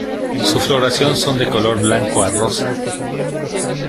Su floración son de color blanco a rosa.